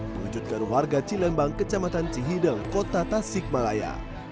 mengejutkan warga cilembang kecamatan cihideng kota tasikmalaya